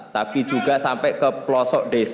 tapi juga sampai ke pelosok desa